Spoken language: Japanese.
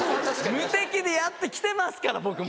無敵でやって来てますから僕も。